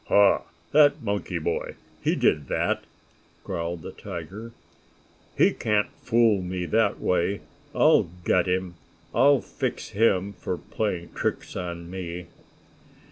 "Ha! That monkey boy! He did that!" growled the tiger. "He can't fool me that way! I'll get him! I'll fix him for playing tricks on me!"